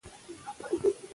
هغه دنس ناستې ناروغې درلوده